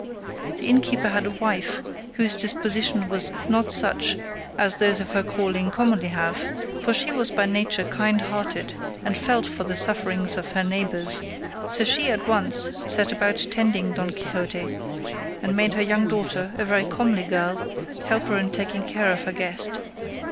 The innkeeper had a wife whose disposition was not such as those of her calling commonly have, for she was by nature kind hearted and felt for the sufferings of her neighbours, so she at once set about tending Don Quixote, and made her young daughter, a very comely girl, help her in taking care of her guest.